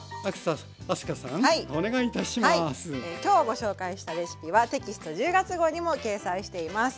今日ご紹介したレシピはテキスト１０月号にも掲載しています。